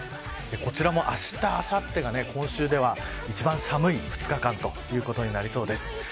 こちらも、あした、あさってが今週では一番寒い２日間ということになりそうです。